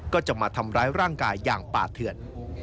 ก็จะมาทำร้ายร่างกายอย่างป่าเถื่อน